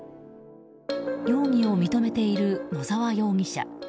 容疑を認めている野澤容疑者。